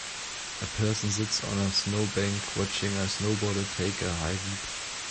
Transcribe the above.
A person sits on a snowbank watching a snowboarder take a high leap.